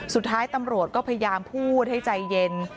สุดท้ายตำรวจก็พยายามพูดให้ใจเย็น